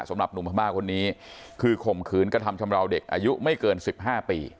สำหรับหนุ่มพม่าคนนี้คือข่มขืนกระทำชำราวเด็กอายุไม่เกิน๑๕ปี